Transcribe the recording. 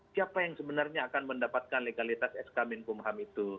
siapa yang sebenarnya akan mendapatkan legalitas sk menkumham itu